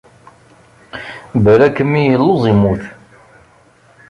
Balak mmi illuẓ immut.